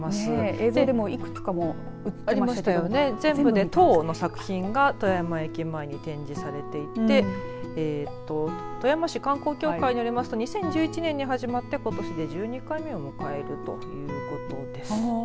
映像でもいくつか映ってましたけど全部で１０の作品が富山駅前に展示されていて富山市観光協会によりますと２０１１年に始まってことしで１２回目を迎えるということです。